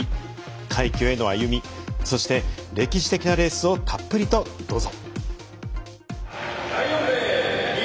快挙への歩みそして歴史的なレースをたっぷりとどうぞ。